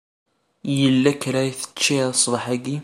Yella kra i teččiḍ ṣṣbeḥ-agi?